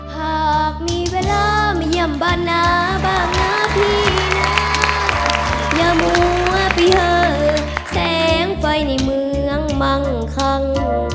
หากมีเวลามาเยี่ยมบ้านนาบ้างนะพี่นะอย่ามัวไปหาแสงไฟในเมืองมั่งคัง